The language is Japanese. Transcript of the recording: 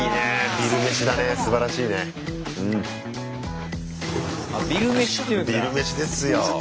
ビル飯ですよ。